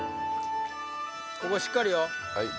ここしっかりよ